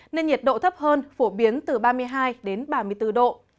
nên nhiệt độ thấp hơn phổ biến từ ba mươi hai đến ba mươi bốn độ